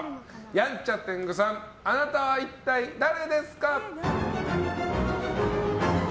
やんちゃ天狗さんあなたは一体誰ですか。